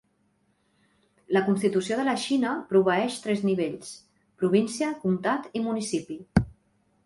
La constitució de la Xina proveeix tres nivells: província, comtat i municipi.